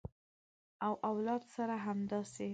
او اولاد سره همداسې